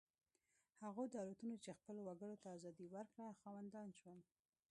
هغو دولتونو چې خپلو وګړو ته ازادي ورکړه خاوندان شول.